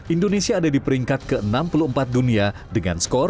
indonesia ada di peringkat ke enam puluh empat dunia dengan skor dua